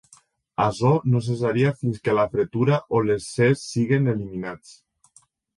Açò no cessaria fins que la fretura o l'excés siguen eliminats.